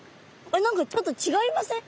何かちょっとちがいません？